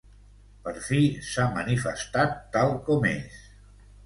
Per fi s'ha manifestat tal com és.